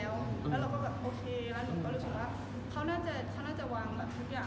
แล้วเราก็แบบโอเคแล้วหนูก็รู้สึกว่าเขาน่าจะวางแบบทุกอย่าง